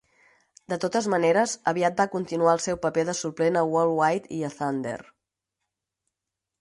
De totes maneres, aviat va continuar el seu paper de suplent a 'WorldWide' i a 'Thunder'.